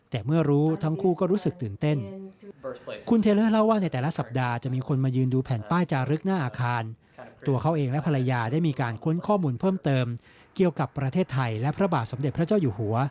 แต่เมื่อรู้ทั้งคู่ก็รู้สึกตื่นเต้น